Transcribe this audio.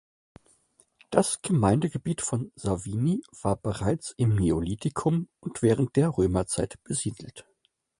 Das Gemeindegebiet von Savigny war bereits im Neolithikum und während der Römerzeit besiedelt.